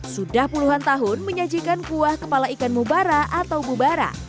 sudah puluhan tahun menyajikan kuah kepala ikan mubara atau bubara